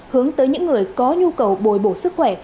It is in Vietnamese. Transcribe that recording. hướng tới những người có nhu cầu bồi bổ sức khỏe